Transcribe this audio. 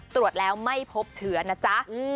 ตรวจแล้วไม่พบเชื้อนะจ๊ะ